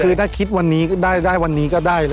คือถ้าคิดวันนี้ก็ได้วันนี้ก็ได้เลย